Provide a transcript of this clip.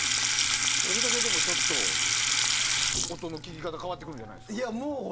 それだけでもちょっと音の聴き方変わってくるんじゃないですか？